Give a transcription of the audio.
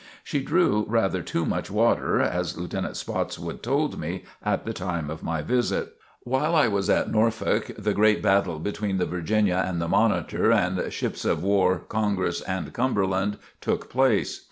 She drew rather too much water, as Lieutenant Spotswood told me at the time of my visit. While I was at Norfolk, the great battle between the "Virginia" and the "Monitor" and ships of war "Congress" and "Cumberland" took place.